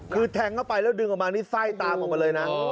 คือแทงเข้าไปแล้วดึงออกมานี่ไส้ตามออกมาเลยนะ